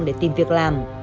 để tìm việc làm